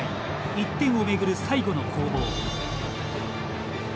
１点を巡る最後の攻防。